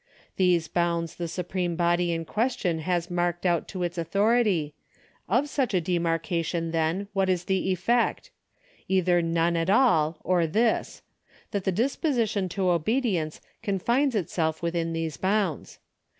... These bounds the supreme body in question has marked out to its authoriity : of such a demarcation, then, what is the effect ? Either none at all, or this : that the disposition to obedience confines itself within these bounds.